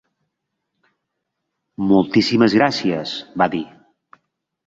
"Moltíssimes gràcies", va dir.